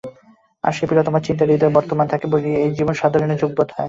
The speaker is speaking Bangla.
আর সেই প্রিয়তমের চিন্তা হৃদয়ে বর্তমান থাকে বলিয়াই এই জীবনধারণে সুখবোধ হয়।